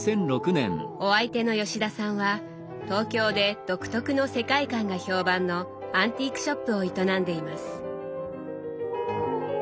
お相手の吉田さんは東京で独特の世界観が評判のアンティークショップを営んでいます。